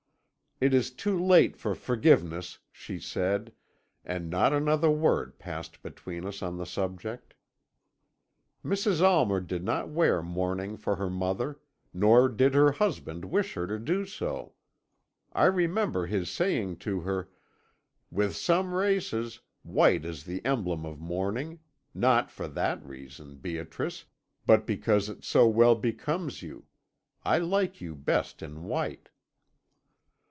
"'It is too late for forgiveness,' she said, and not another word passed between us on the subject. "Mrs. Almer did not wear mourning for her mother, nor did her husband wish her to do so. I remember his saying to her: "With some races, white is the emblem of mourning; not for that reason, Beatrice, but because it so well becomes you, I like you best in white.'